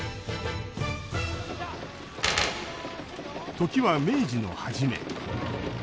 時は明治の初め。